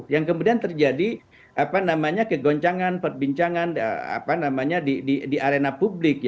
yang kemudian terjadi kegoncangan perbincangan di arena publik